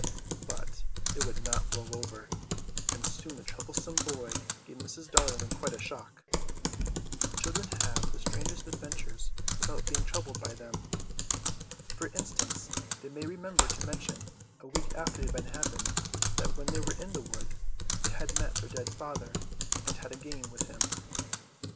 But it would not blow over and soon the troublesome boy gave Mrs. Darling quite a shock. Children have the strangest adventures without being troubled by them. For instance, they may remember to mention, a week after the event happened, that when they were in the wood they had met their dead father and had a game with him.